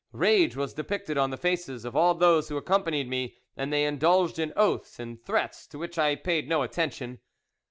Rage was depicted on the faces of all those who accompanied me, and they indulged in oaths and threats, to which I paid no attention.